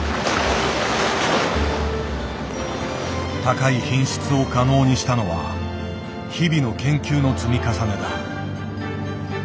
高い品質を可能にしたのは日々の研究の積み重ねだ。